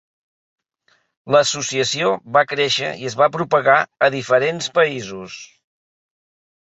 L'associació va créixer i es va propagar a diferents països.